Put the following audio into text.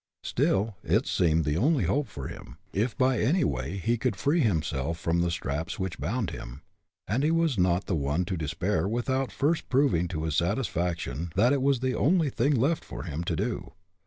Still, it seemed the only hope for him, if by any way he could free himself of the straps which bound him, and he was not the one to despair without first proving to his satisfaction that it was the only thing left for him to do.